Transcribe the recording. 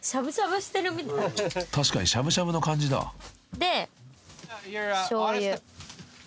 ［確かにしゃぶしゃぶの感じだ］で。